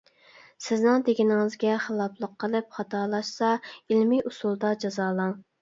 سىزنىڭ دېگىنىڭىزگە خىلاپلىق قىلىپ، خاتالاشسا، ئىلمىي ئۇسۇلدا جازالاڭ.